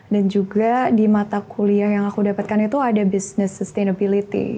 dan juga di mata kuliah yang aku dapatkan itu ada business sustainability